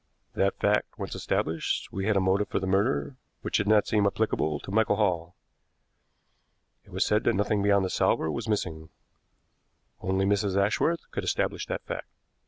"That fact once established, we had a motive for the murder, which did not seem applicable to Michael Hall. It was said that nothing beyond the salver was missing. Only Mrs. Ashworth could establish that fact.